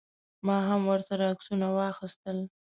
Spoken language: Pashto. ما هم ورسره عکسونه واخیستل.